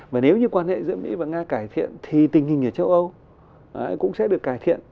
và nếu như quan hệ giữa mỹ và nga cải thiện thì tình hình ở châu âu cũng sẽ được cải thiện